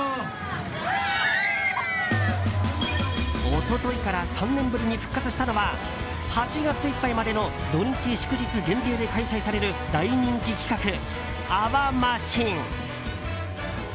一昨日から３年ぶりに復活したのは８月いっぱいまでの土日祝日限定で開催される大人気企画、泡マシン。